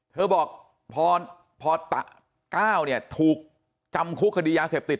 เธอบอกพอ๙เนี่ยถูกจำคุกคดียาเสพติด